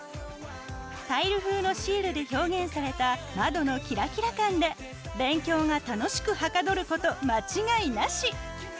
タイル風のシールで表現された窓のキラキラ感で勉強が楽しくはかどること間違いなし！